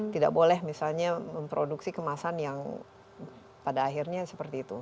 tidak boleh misalnya memproduksi kemasan yang pada akhirnya seperti itu